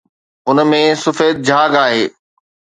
ان ۾ سفيد جھاگ آهي